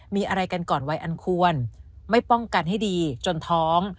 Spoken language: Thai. มีอะไรกันก่อนวัยอันควรไม่ป้องกันให้ดีจนท้อง